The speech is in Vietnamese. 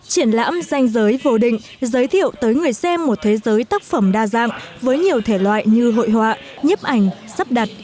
triển lãm danh giới vô định giới thiệu tới người xem một thế giới tác phẩm đa dạng với nhiều thể loại như hội họa nhếp ảnh sắp đặt